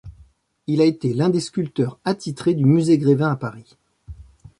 Il a été l'un des sculpteurs attitrés du musée Grévin à Paris.